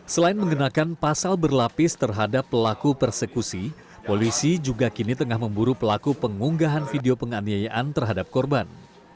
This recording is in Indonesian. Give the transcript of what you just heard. selain mengenakan pasal berlapis terhadap pelaku persekusi polisi juga kini tengah memburu pelaku pengunggahan video penganiayaan terhadap korban